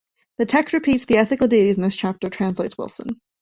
The text repeats the ethical duties in this chapter, translates Wilson.